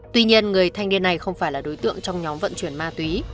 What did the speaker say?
tuy nhiên người thanh niên này không phải là đối tượng trong nhóm vận chuyển ma túy